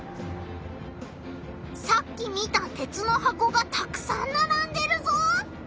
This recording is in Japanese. さっき見た鉄の箱がたくさんならんでるぞ！